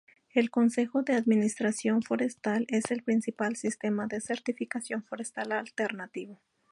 El Consejo de Administración Forestal es el principal sistema de certificación forestal alternativo.